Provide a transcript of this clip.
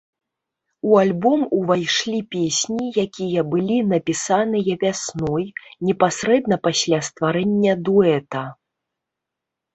У альбом увайшлі песні, якія былі напісаныя вясной, непасрэдна пасля стварэння дуэта.